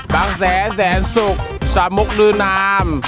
บางแสนแสนสุขสมกลืนนาม